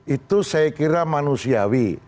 itu saya kira manusiawi